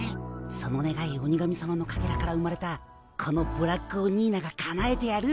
そのねがい鬼神さまのかけらから生まれたこのブラックオニーナがかなえてやる。